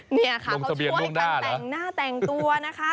เนี่ยค่ะเขาช่วยกันแต่งหน้าแต่งตัวนะคะ